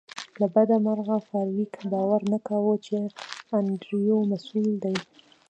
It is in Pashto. له بده مرغه فارویک باور نه کاوه چې انډریو مسؤل دی